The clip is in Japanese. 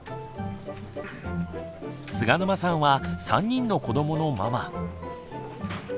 菅沼さんは３人の子どものママ。